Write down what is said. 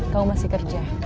kamu masih kerja